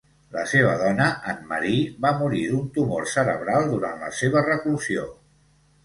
La seva dona Anne Marie va morir d'un tumor cerebral durant la seva reclusió.